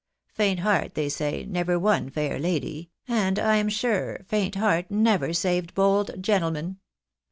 Faint heart, they say, never won fair lady, and I am sure faint heart never saved bold gentleman.